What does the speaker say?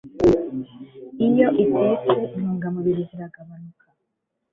iyo itetse intungamubiri ziragabanuka.